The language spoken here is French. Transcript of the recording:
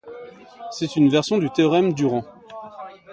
C'est une version du théorème du rang.